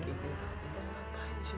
gak apa apa aja